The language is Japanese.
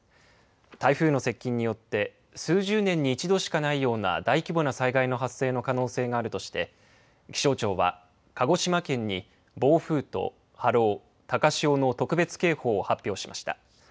台風の接近によって数十年に一度しかないような大規模な災害の発生の可能性があるとして気象庁は、鹿児島県に暴風と波浪高潮の特別警報を発表しました。